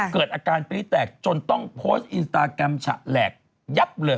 เกิดอาการปรี๊แตกจนต้องโพสต์อินสตาแกรมฉะแหลกยับเลย